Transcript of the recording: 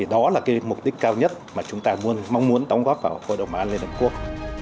đó là mục đích cao nhất mà chúng ta mong muốn đóng góp vào hội đồng bảo an liên hợp quốc